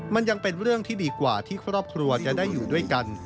มันยังเป็นเรื่องที่ดีกว่าที่ครอบครัวจะได้อยู่ด้วยกัน